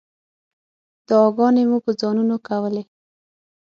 دعاګانې مو په ځانونو کولې.